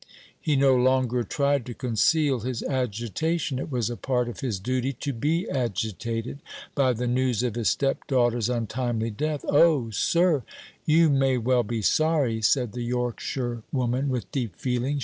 He no longer tried to conceal his agitation. It was a part of his duty to be agitated by the news of his stepdaughter's untimely death. "O, sir, you may well be sorry," said the Yorkshirewoman, with deep feeling.